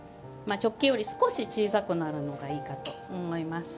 直径より、少し小さくなるのがいいかと思います。